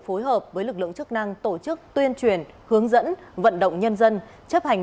phối hợp với lực lượng chức năng tổ chức tuyên truyền hướng dẫn vận động nhân dân chấp hành